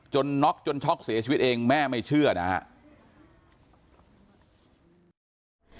น็อกจนช็อกเสียชีวิตเองแม่ไม่เชื่อนะครับ